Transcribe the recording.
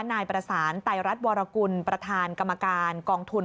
นายประสานไตรรัฐวรกุลประธานกรรมการกองทุน